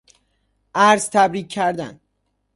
عرض تبریک کردن